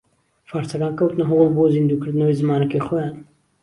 فارسەكان كەوتنە ھەوڵ بۆ زیندوو كردنەوەی زمانەكەی خۆیان